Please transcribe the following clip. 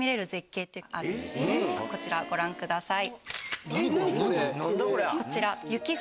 こちらご覧ください。